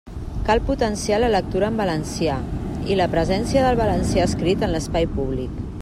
Cal potenciar la lectura en valencià i la presència del valencià escrit en l'espai públic.